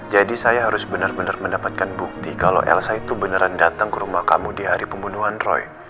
jadi saya harus benar benar mendapatkan bukti kalau elsa itu beneran datang ke rumah kamu di hari pembunuhan roy